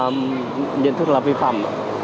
là nhận thức là vi phạm